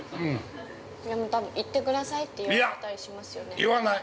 ◆言ってくださいって言われたりしますよね。